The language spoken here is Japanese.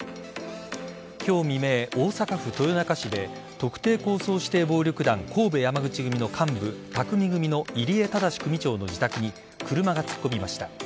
今日未明、大阪府豊中市で特定抗争指定暴力団神戸山口組の幹部宅見組の入江禎組長の自宅に車が突っ込みました。